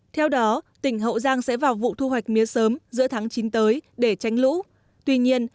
theo đó tỉnh hậu giang sẽ vào vụ thu hoạch mía sớm giữa tháng chín tới để tránh lũ tuy nhiên